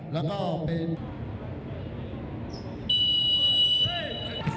สวัสดีครับ